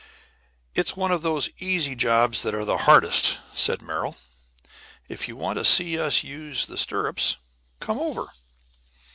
"It's one of those easy jobs that are the hardest," said Merrill. "If you want to see us use the stirrups come over."